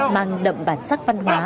mang đậm bản sắc văn hóa